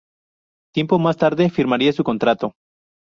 Tiempo más tarde firmaría su contrato.